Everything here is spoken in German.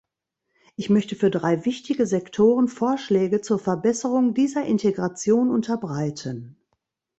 Ich möchte für drei wichtige Sektoren Vorschläge zur Verbesserung dieser Integration unterbreiten.